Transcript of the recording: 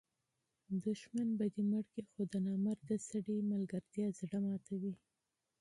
دوښمن به دي مړ کي؛ خو د نامرده سړي دوستي زړه ماتوي.